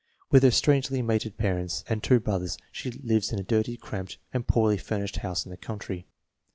With her strangely mated parents and two brothers she lives in a dirty, cramped, and poorly furnished house in the country.